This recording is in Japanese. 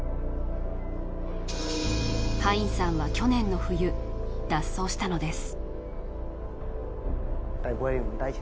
ハインさんは去年の冬脱走したのです